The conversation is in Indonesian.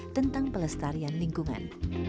tentang pelestarian lingkungan